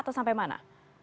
atau sampai mana